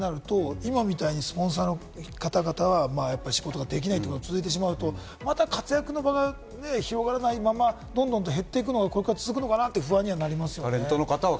そこが解決しないとなると今みたいにスポンサーの方々は仕事ができないというのが続いてしまうとまた活躍の場が広がらないまま、どんどん減っていくのが、これから続いていくのかなと不安になりますよね。